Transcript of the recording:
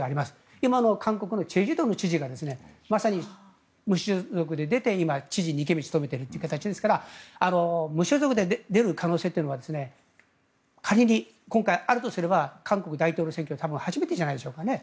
今の韓国の済州道の知事がまさに無所属で出て今、知事２期目を務めているということですから無所属で出る可能性というのは仮に今回あるとすれば韓国大統領選挙は多分初めてじゃないでしょうか。